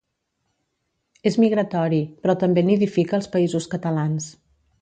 És migratori, però també nidifica als Països Catalans.